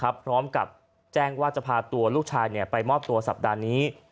พร้อมกับแจ้งว่าจะพาตัวลูกชายไปมอบตัวสัปดาห์นี้